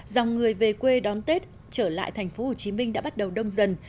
dòng người về quê đón tết trở lại tp hcm đã bắt đầu đông dần